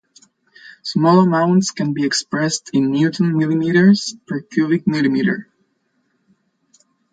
Small amounts can be expressed in newton-millimetres per cubic millimetre.